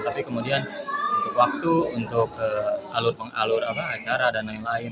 tapi kemudian untuk waktu untuk alur pengalur acara dan lain lain